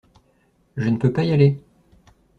Je ne peux pas y aller.